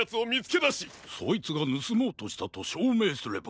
そいつがぬすもうとしたとしょうめいすれば。